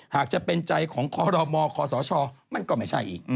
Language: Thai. หากจะเป็นใจของขอรอมอขอสอชอมันก็ไม่ใช่อีก